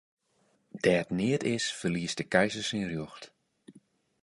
Dêr't neat is, ferliest de keizer syn rjocht.